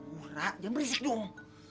tuh rak jangan berisik dong